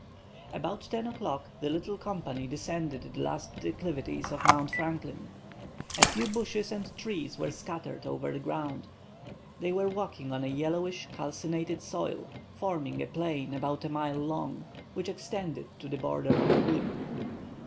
About 10 o'clock the little company descended the last declivities of Mount Franklin. A few bushes and trees were scattered over the ground. They were walking on a yellowish, calcined soil, forming a plain about a mile long, which extended to the border of the wood.